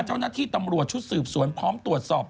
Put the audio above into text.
เจ้าหน้าที่ตำรวจชุดสืบสวนพร้อมตรวจสอบ